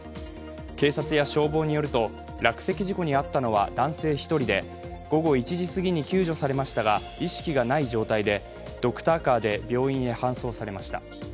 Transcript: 警察や消防によると、落石事故に遭ったのは男性１人で午後１時すぎに救助されましたが、意識がない状態でドクターカーで病院へ搬送されました。